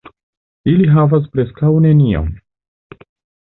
Ili havis preskaŭ nenion.